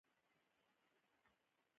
پیاله د ارمانونو کور دی.